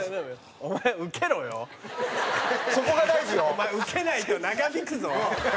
お前ウケないと長引くぞ。